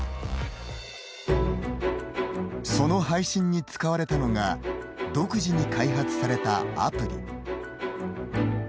その配信に使われたのが独自に開発されたアプリ。